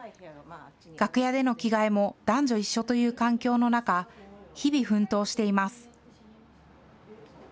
楽屋での着替えも、男女一緒という環境の中、日々奮闘しています。